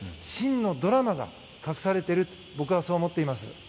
真のドラマが隠されていると僕は、そう思っています。